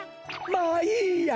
まあいいや。